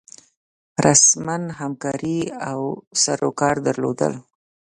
رسما همکاري او سروکار درلود.